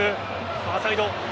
ファーサイド。